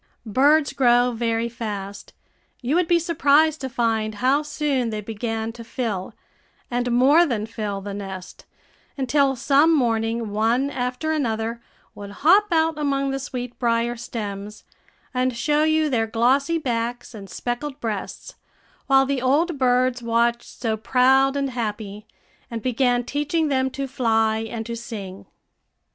Birds grow very fast; you would be surprised to find how soon they began to fill, and more than fill, the nest, until some morning one after another would hop out among the sweetbrier stems, and show you their glossy backs and speckled breasts, while the old birds watched so proud and happy, and began teaching them to fly and to sing.